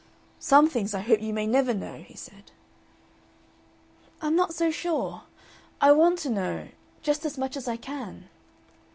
"Some things I hope you may never know," he said. "I'm not so sure. I want to know just as much as I can."